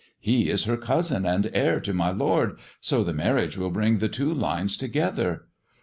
He is her cousin, and heir to my lord ; so the marriage will bring the two lines together.